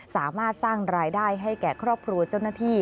สามารถสร้างรายได้ให้แก่ครอบครัวเจ้าหน้าที่